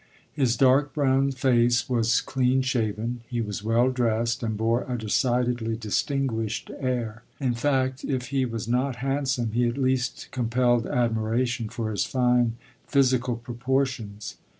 His dark brown face was clean shaven; he was well dressed and bore a decidedly distinguished air. In fact, if he was not handsome, he at least compelled admiration for his fine physical proportions.